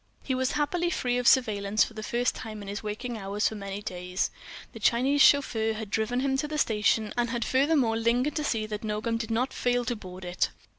He was happily free of surveillance for the first time in his waking hours of many days. The Chinese chauffeur had driven him to the station, and had furthermore lingered to see that Nogam did not fail to board it.